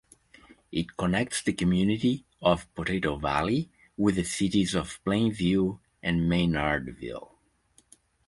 It connects the community of Potato Valley with the cities of Plainview and Maynardville.